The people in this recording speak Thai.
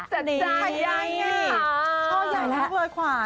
จ้ะนี่ท่อใหญ่มากเลยขวาน